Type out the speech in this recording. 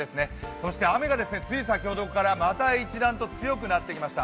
そして雨がつい先ほどからまた一段と強くなってきました。